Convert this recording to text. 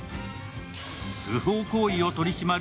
不法行為を取り締まる